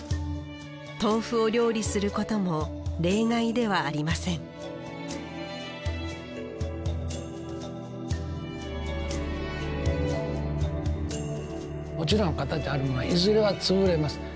豆腐を料理することも例外ではありませんもちろん形あるものはいずれは潰れます。